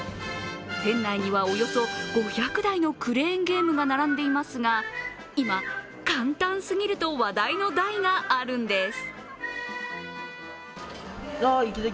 店内にはおよそ５００台のクレーンゲームが並んでいますが今、簡単すぎると話題の台があるんです。